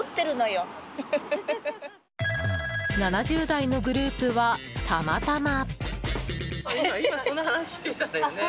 ７０代のグループはたまたま。